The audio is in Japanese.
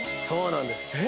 そうなんです。